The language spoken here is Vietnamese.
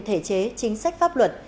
thể chế chính sách pháp luật